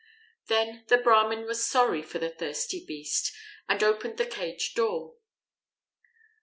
Then the Brahmin was sorry for the thirsty beast, and opened the cage door.